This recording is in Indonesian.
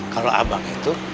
kalau abang itu